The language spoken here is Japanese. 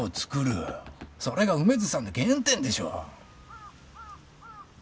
それが梅津さんの原点でしょ？